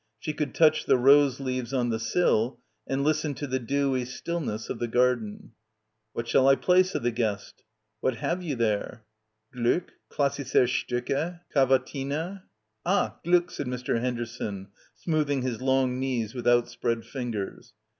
She could touch the rose leaves on the sill and listen to the dewy still ness of the garden. "What shall I play?" said the guest. "What have you there?" c Gluck ... Klassische Stuckc ... Cavatina." 'Ah, Gluck," said Mr. Henderson, smoothing his long knees with outspread fingers.